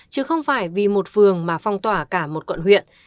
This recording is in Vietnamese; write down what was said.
chứ không phải vì một phường mà phong tỏa cả một quận huyện